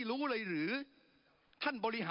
ปรับไปเท่าไหร่ทราบไหมครับ